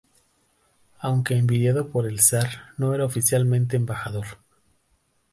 Aunque enviado por el zar no era oficialmente embajador.